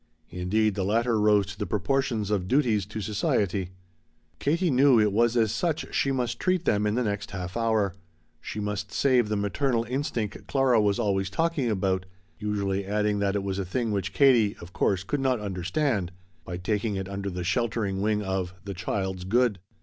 Indeed the latter rose to the proportions of duties to society. Katie knew it was as such she must treat them in the next half hour. She must save the "maternal instinct" Clara was always talking about usually adding that it was a thing which Katie, of course, could not understand by taking it under the sheltering wing of the "child's good."